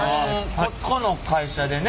ここの会社でね